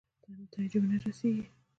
نتایجې ورنه رسېږي.